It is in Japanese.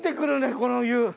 この湯。